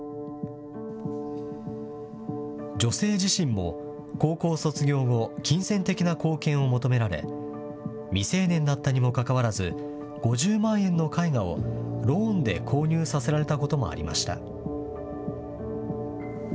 女性自身も高校卒業後、金銭的な貢献を求められ、未成年だったにもかかわらず、５０万円の絵画をローンで購入させられたこともありました。